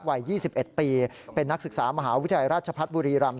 วัย๒๑ปีเป็นนักศึกษามหาวิทยาลัยราชพัฒน์บุรีรำ